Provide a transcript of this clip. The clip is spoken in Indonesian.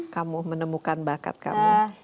kamu menemukan bakat kamu